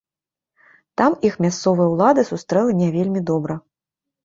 Там іх мясцовая ўлада сустрэла не вельмі добра.